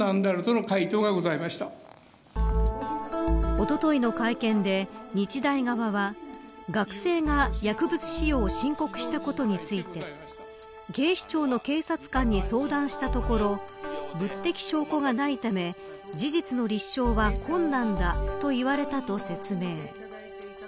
おとといの会見で日大側は学生が薬物使用を申告したことについて警視庁の警察官に相談したところ物的証拠がないため事実の立証は困難だと言われたと説明。